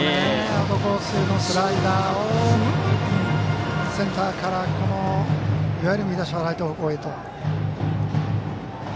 アウトコースのスライダーをセンターからライト方向へと。